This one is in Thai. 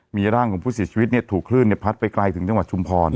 มีร่างของผู้เสียชีวิตถูกคลื่นพัดไปไกลถึงจังหวัดชุมพร